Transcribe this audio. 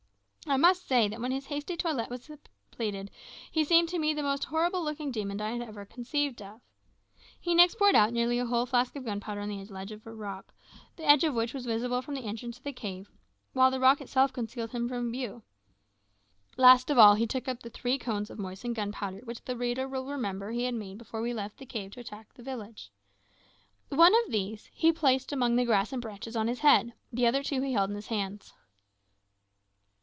I must say that when his hasty toilet was completed he seemed to me the most horrible looking demon I had ever conceived of. He next poured out nearly a whole flask of gunpowder on a ledge of rock, the edge of which was visible from the entrance to the cave, while the rock itself concealed him from view. Last of all, he took up the three cones of moistened gunpowder which the reader will remember he had made before we left the cave to attack the village. One of these he placed among the grass and branches on his head, the other two he held in his hands.